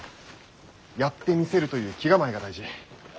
やってみせるという気構えが大事。